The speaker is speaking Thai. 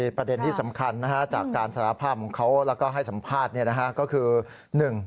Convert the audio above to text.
ประเด็นที่สำคัญจากการสารภาพของเขาแล้วก็ให้สัมภาษณ์ก็คือ